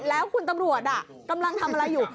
แล้วคุณตำรวจกำลังทำอะไรอยู่